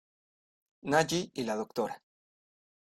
Nagi y la Dra.